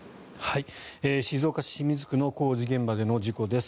静岡市清水区の工事現場での事故です。